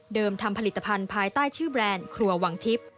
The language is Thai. ทำผลิตภัณฑ์ภายใต้ชื่อแบรนด์ครัววังทิพย์